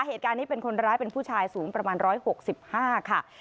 เหตุการณ์นี้เป็นคนร้ายเป็นผู้ชายสูงประมาณ๑๖๕ค่ะ